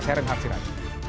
saya renhar sirat